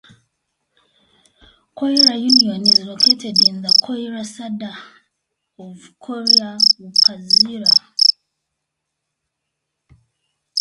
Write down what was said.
Koyra Union is located at the Koyra Sadar of Koyra Upazila.